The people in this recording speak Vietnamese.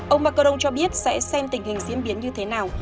ông macron cho biết sẽ xem tình hình diễn biến như thế nào